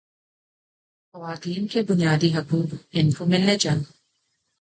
خواتین کے بنیادی حقوق ان کو ملنے چاہیے